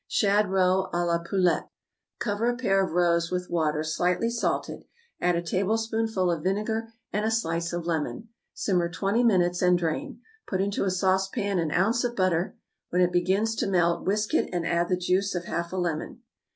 =Shad Roe à la Poulette.= Cover a pair of roes with water slightly salted; add a tablespoonful of vinegar and a slice of lemon; simmer twenty minutes, and drain; put into a saucepan an ounce of butter; when it begins to melt, whisk it, and add the juice of half a lemon.